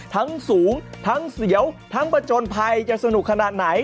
สูงทั้งเสียวทั้งประจนภัยจะสนุกขนาดไหน